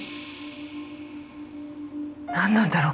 なんなんだろう？